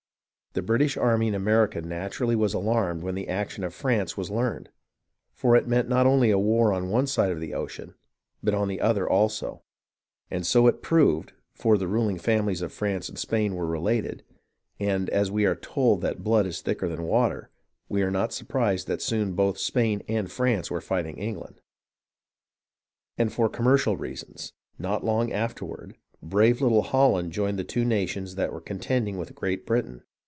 The British army in America naturally was alarmed when the action of France was learned, for it meant not only a war on one side of the ocean, but on the other also. And so it proved, for the ruling families of France and Spain were related, and as we are told that blood is thicker than water, we are not surprised that soon both Spain and France were fighting England ; and for com mercial reasons, not long afterward, brave little Holland joined the two nations that were contending with Great Britain.